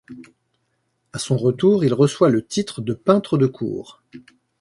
À son retour il reçoit le titre de peintre de cour.